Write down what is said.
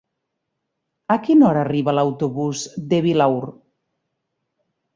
A quina hora arriba l'autobús de Vilaür?